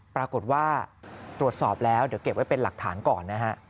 ปรากฏว่าตรวจสอบแล้วเดี๋ยวเก็บไว้เป็นหลักฐานก่อนนะฮะ